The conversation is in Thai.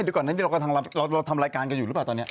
จบแม่ดูก่อนหนิเราทำรายการกันอยู่หรือเปล่าตอนนี้